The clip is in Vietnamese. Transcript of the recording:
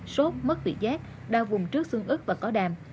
sốt mất vị giác đau vùng trước xương ức và có đàn